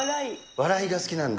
笑が好きなんだ。